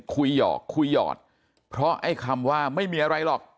หยอกคุยหยอดเพราะไอ้คำว่าไม่มีอะไรหรอก